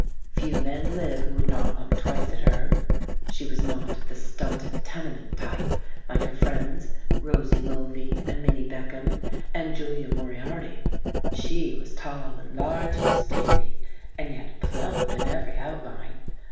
Few men live who would not look twice at her. She was not of the stunted tenement type, like her friends Rosie Mulvey and Minnie Bechman and Julia Moriarty. She was tall and large and stately, and yet plump in every outline.